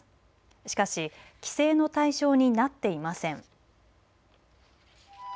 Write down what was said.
しかし規制の対象になっていません。